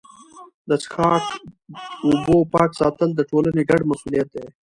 د څښاک اوبو پاک ساتل د ټولني ګډ مسوولیت دی.